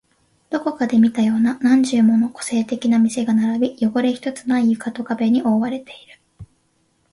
どこかで見たような何十もの個性的な店が並び、汚れ一つない床と壁に覆われている